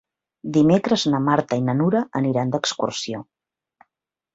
Dimecres na Marta i na Nura aniran d'excursió.